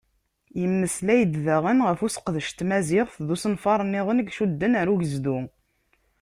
Yemmeslay-d daɣen ɣef useqdec n tmaziɣt d usenfar-nniḍen i icudden ɣar ugezdu.